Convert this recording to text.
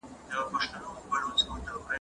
ټولنیز واقعیت تر فرد مخکې هم شتون درلود.